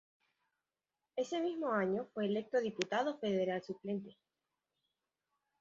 Ese mismo año fue electo diputado federal suplente.